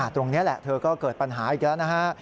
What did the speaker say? ตรงนี้แหละเธอก็เกิดปัญหาอีกแล้วนะฮะ